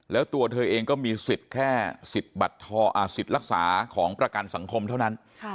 แล้วตัวเธอเองก็มีสิทธิ์แค่สิทธิ์รักษาของประกันสังคมเท่านั้น